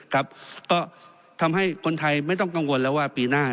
ก็ทำให้คนไทยไม่ต้องกังวลแล้วว่าปีหน้า